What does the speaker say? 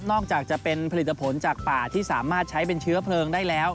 อกจากจะเป็นผลิตผลจากป่าที่สามารถใช้เป็นเชื้อเพลิงได้แล้ว